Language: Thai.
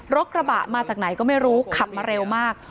กระบะมาจากไหนก็ไม่รู้ขับมาเร็วมาก